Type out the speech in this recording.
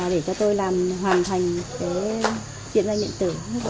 để cho tôi làm hoàn thành cái điện danh điện tử mức độ hai